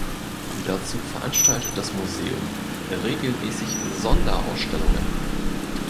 Dazu veranstaltet das Museum regelmässig Sonderausstellungen.